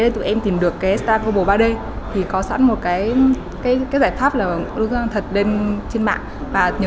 tụi em tìm được cái star global ba d thì có sẵn một cái cái cái giải pháp là thật lên trên mạng và nhờ